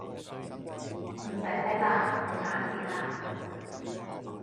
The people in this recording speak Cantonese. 唔洗睇喇，冇打折呀